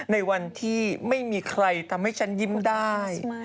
ในวันที่ไม่มีใครทำให้ฉันยิ้มได้